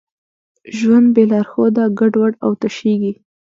ژوند بېلارښوده ګډوډ او تشېږي.